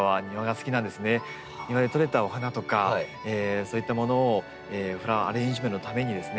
庭でとれたお花とかそういったものをフラワーアレンジメントのためにですね